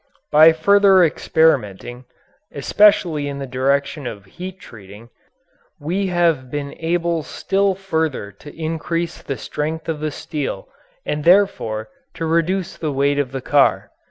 By further experimenting, especially in the direction of heat treating, we have been able still further to increase the strength of the steel and therefore to reduce the weight of the car.